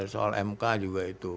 soal mk juga itu